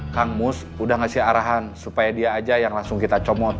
kang mus udah ngasih arahan supaya dia aja yang langsung kita comot